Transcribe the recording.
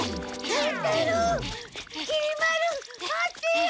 乱太郎きり丸待ってよ！